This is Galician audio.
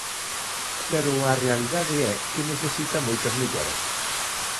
Pero a realidade é que necesita moitas melloras.